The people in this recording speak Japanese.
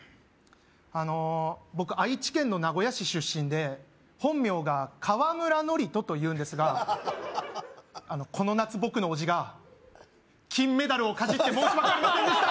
あの僕愛知県の名古屋市出身で本名が河村徳人というんですがこの夏僕の叔父が金メダルをかじって申し訳ありませんでした！